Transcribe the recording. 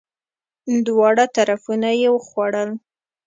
دواړه طرفونه یی وخوړل!